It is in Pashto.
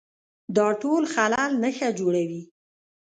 دا ټول خلل نښه جوړوي